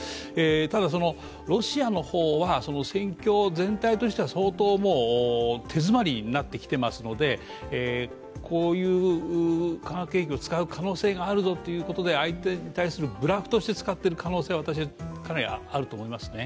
ただ、ロシアの方は戦況全体としては相当手詰まりになってきてますのでこういう化学兵器を使う可能性があるぞということで相手に対するブラフとして使っている可能性は、かなりあると思います。